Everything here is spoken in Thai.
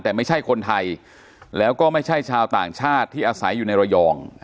แต่ไม่ใช่คนไทยแล้วก็ไม่ใช่ชาวต่างชาติที่อาศัยอยู่ในระยอง